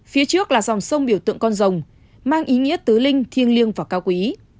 phía trước là dòng sông biểu tượng con rồng mang ý nghĩa tứ linh thiêng liêng và cao quý